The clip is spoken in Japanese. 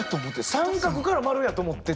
三角から丸やと思ってた。